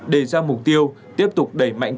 đề ra mục tiêu tiếp tục đẩy mạnh